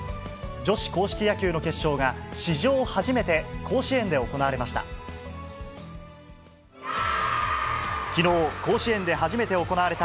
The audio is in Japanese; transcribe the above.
女子硬式野球の決勝が、史上初めて甲子園で行われました。